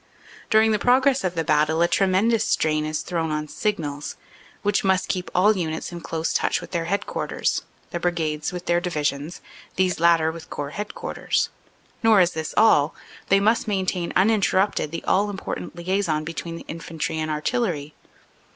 During the progress of the battle a tremendous strain is thrown on Signals, which must keep all units in close touch with their headquarters; the brigades with their divisions; these latter with Corps Headquarters. Nor is this all. They must maintain uninterrupted the all important liason between the infantry and artillery.